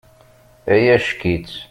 Ay ack-itt!